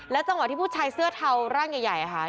จังหวะที่ผู้ชายเสื้อเทาร่างใหญ่ค่ะ